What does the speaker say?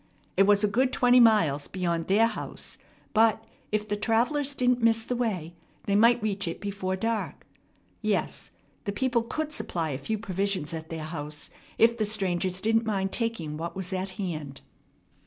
It was a good twenty miles beyond their house; but, if the travellers didn't miss the way, they might reach it before dark. Yes, the people could supply a few provisions at their house if the strangers didn't mind taking what was at hand.